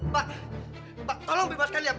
pak pak tolong bebaskan lia